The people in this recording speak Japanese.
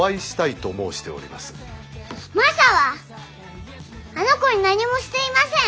マサはあの子に何もしていません！